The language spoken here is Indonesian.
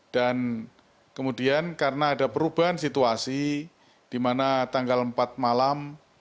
dan kemudian karena ada perubahan situasi di mana tanggal empat malam